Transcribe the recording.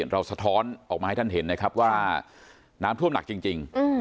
สะท้อนออกมาให้ท่านเห็นนะครับว่าน้ำท่วมหนักจริง